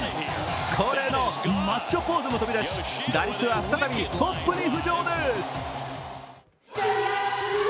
恒例のマッチョポーズも飛び出し打率は再びトップに浮上です。